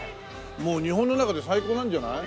もう日本の中で最高なんじゃない？